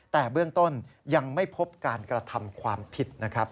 แต่เบื้องต้นยังไม่พบการกระทำความผิดนะครับ